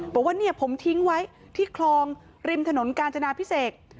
บอกว่าเนี่ยผมทิ้งไว้ที่คลองริมถนนกาญจนาพิเศษ